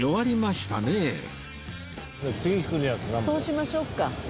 そうしましょうか。